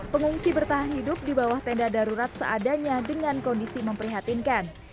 pengungsi bertahan hidup di bawah tenda darurat seadanya dengan kondisi memprihatinkan